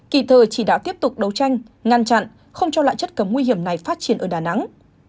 kỳ thời chỉ đạo tiếp tục đấu tranh ngăn chặn không cho loại chất cấm nguy hiểm này phát triển ở đà nẵng